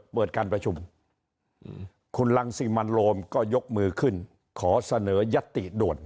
เปิดการประชุมคุณรังสิมันโรมก็ยกมือขึ้นขอเสนอยัตติด่วน